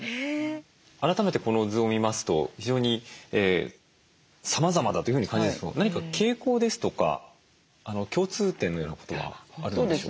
改めてこの図を見ますと非常にさまざまだというふうに感じるんですけど何か傾向ですとか共通点のようなことはあるんでしょうか？